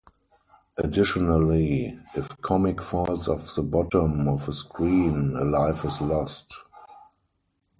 Additionally, if Comic falls off the bottom of a screen a life is lost.